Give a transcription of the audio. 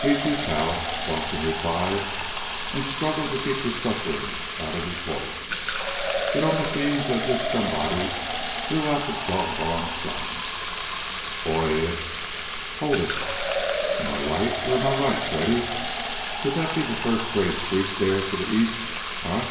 "Me, too, pal," Dawson replied, and struggled to keep his suffering out of his voice. "It almost seems as if somebody blew out the doggoned sun. Boy, if Hold it! Am I right, or am I right, Freddy? Could that be the first grey streak there to the east, huh?"